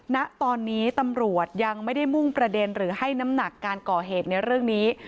ณตอนนี้ตำรวจยังไม่ได้มุ่งประเด็นหรือให้น้ำหนักการก่อเหตุในเรื่องนี้